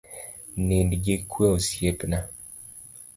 Nind gi kue osiepna